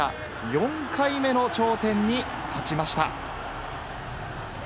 ４回目の頂点に立ちました。